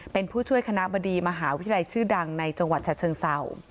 เป็นผู้ช่วยคณะบดีมหาวิทยาลัยชื่อดังในจังหวัดฉะเชิงเศร้า